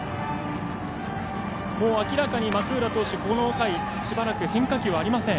明らかに松浦投手、この回しばらく変化球はありません。